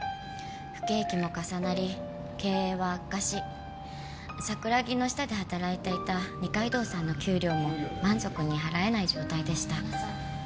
不景気も重なり経営は悪化し桜木の下で働いていた二階堂さんの給料も満足に払えない状態でした。